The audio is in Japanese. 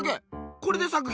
これで作品？